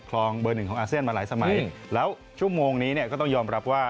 คลองเบอร์หนึ่งของอาเซียนมาหลายสมัยแล้วชั่วโมงนี้เนี่ยก็ต้องยอมรับว่า